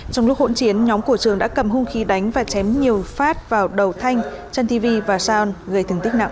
trong lúc hỗn chiến nhóm của trường đã cầm hung khí đánh và chém nhiều phát vào đầu thanh trân tv và saon gây thương tích nặng